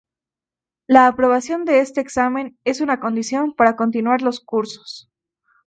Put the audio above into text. La aprobación a este examen es una condición para continuar los cursos.